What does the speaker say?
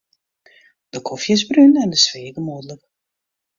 De kofje is brún en de sfear gemoedlik.